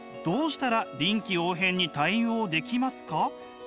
どうしたら臨機応変に対応できますか？」。